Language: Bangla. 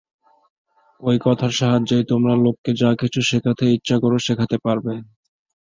ঐ কথার সাহায্যেই তোমরা লোককে যা কিছু শেখাতে ইচ্ছা কর, শেখাতে পারবে।